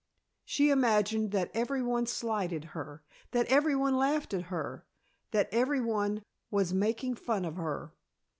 She imagined that every one slighted her; that every one laughed at her; that every one was making fun of her.